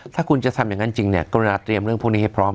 ถ้าคุณจะทำอย่างนั้นจริงเนี่ยกรุณาเตรียมเรื่องพวกนี้ให้พร้อม